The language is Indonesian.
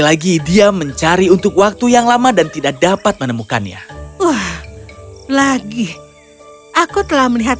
lagi dia mencari untuk waktu yang lama dan tidak dapat menemukannya wah lagi aku telah melihat